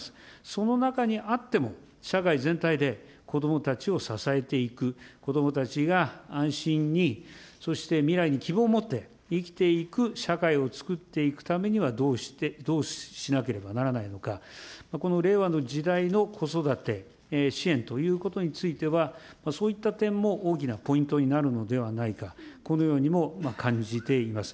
その中にあっても、社会全体で子どもたちを支えていく、子どもたちが安心に、そして未来に希望を持って生きていく社会を作っていくためにはどうしなければならないのか、この令和の時代の子育て支援ということについては、そういった点も大きなポイントになるのではないか、このようにも感じています。